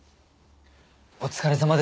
お疲れさまです。